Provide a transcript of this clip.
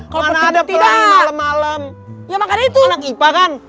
kalo tidak anak ipa kan